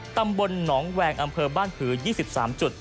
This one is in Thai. ตำบลหนองแวงอำเภอบ้านผือ๒๓จุด